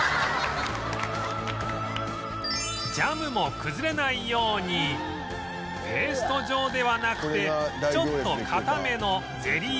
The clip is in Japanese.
ジャムも崩れないようにペースト状ではなくてちょっと固めのゼリー状